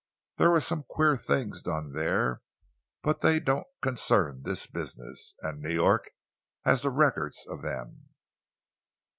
There were some queer things done there, but they don't concern this business, and New York has the records of them."